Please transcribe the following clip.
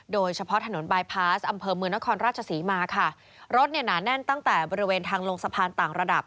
โดยเฉพาะถนนบายพาสอำเภอเมืองนครราชศรีมาค่ะรถเนี่ยหนาแน่นตั้งแต่บริเวณทางลงสะพานต่างระดับ